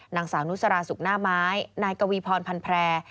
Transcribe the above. นางสาวนุสราสุกหน้าไม้นายกวีพรพันแพร่